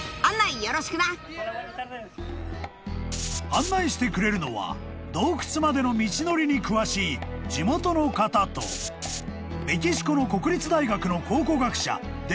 ［案内してくれるのは洞窟までの道のりに詳しい地元の方とメキシコの国立大学の］